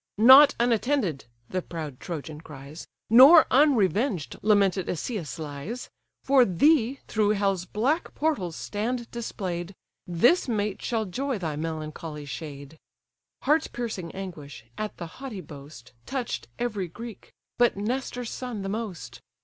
"Not unattended (the proud Trojan cries) Nor unrevenged, lamented Asius lies: For thee, through hell's black portals stand display'd, This mate shall joy thy melancholy shade." Heart piercing anguish, at the haughty boast, Touch'd every Greek, but Nestor's son the most.